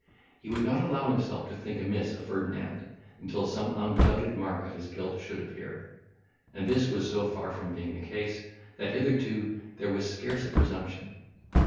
He would not allow himself to think amiss of Ferdinand, until some undoubted mark of his guilt should appear; and this was so far from being the case, that hitherto there was scarce a presumption.